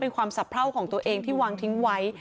เป็นความสะเพราของตัวเองที่วางทิ้งไว้